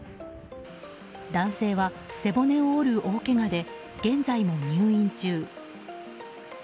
男性は、背骨を折る大けがで現在も入院中。